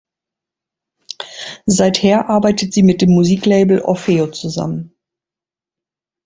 Seither arbeitet sie mit dem Musiklabel Orfeo zusammen.